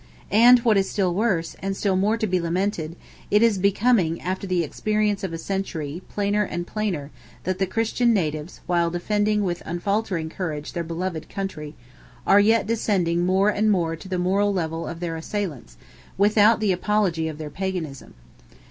And what is still worse, and still more to be lamented, it is becoming, after the experience of a century, plainer and plainer, that the Christian natives, while defending with unfaltering courage their beloved country, are yet descending more and more to the moral level of their assailants, without the apology of their Paganism.